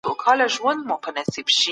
ذمیان په اسلامي ټولنه کي خوندي دي.